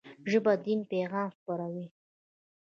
ژبه د دین پيغام خپروي